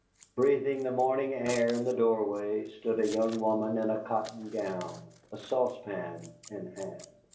Breathing the morning air in the doorway, stood a young woman in a cotton gown, a saucepan in hand.